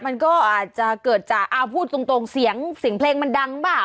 มันก็อาจจะเกิดจากเอาพูดตรงเสียงเสียงเพลงมันดังเปล่า